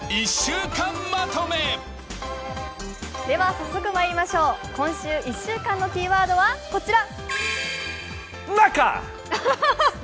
早速まいりましょう、今週１週間のキーワードはこちら。